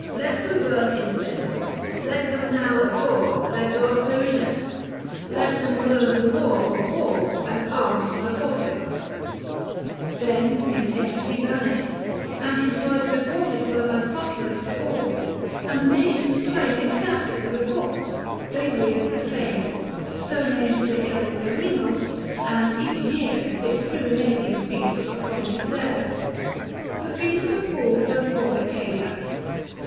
535 Let them burn incense ; let them now adore Their god Quirinus ; let them learn the lore Of war and arms mayortial." Then in air He vanished ; and his words reported were By Proculus to all. And nations twain 540 Accepted the report : they reared the fane, Surnamed the hill Quirinal, and each year Its Quirinalian feast appointed there. THE FEAST OF FOOLS AND FOKNICALIA.